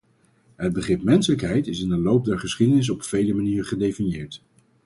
Het begrip menselijkheid is in de loop der geschiedenis op vele manieren gedefinieerd.